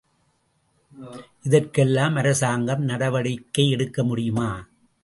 இதற்கெல்லாம் அரசாங்கம் நடவடிக்கை எடுக்க முடியுமா?